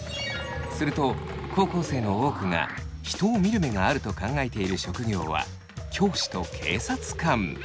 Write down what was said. すると高校生の多くが人を見る目があると考えている職業は教師と警察官。